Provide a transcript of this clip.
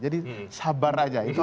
jadi sabar saja